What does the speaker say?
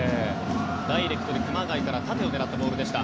ダイレクトで熊谷から縦を狙ったボールでした。